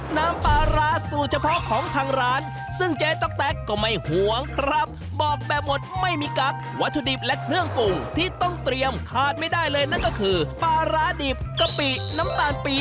น้ำปลาร้าสูตรเฉพาะของทางร้าน